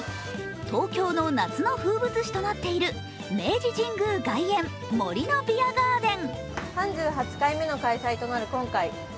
東京の夏の風物詩となっている明治神宮外苑森のビアガーデン。